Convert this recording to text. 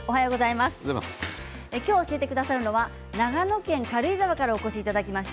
教えてくださるのは長野県軽井沢からお越しいただきました